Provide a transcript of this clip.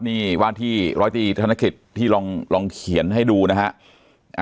นี่ว่าที่ร้อยตีธนกิจที่ลองเขียนให้ดูนะฮะ